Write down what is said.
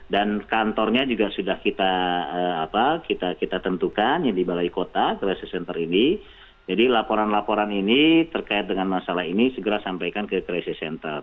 dan kantornya juga sudah kita tentukan yang di balai kota crisis center ini jadi laporan laporan ini terkait dengan masalah ini segera sampaikan ke crisis center